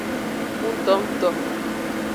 Ngtongto.